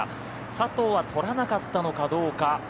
佐藤は取らなかったのかどうか。